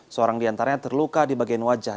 seorang diantaranya terluka di bagian wajah